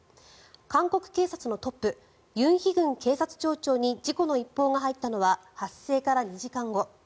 韓国警察のトップユン・ヒグン警察庁長に事故の一報が入ったのは発生から２時間後。